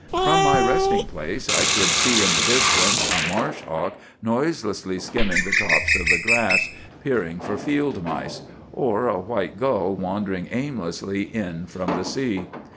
From my resting place I could see in the distance a marsh hawk noiselessly skimming the tops of the grass, peering for field mice; or a white gull wandering aimlessly in from the sea.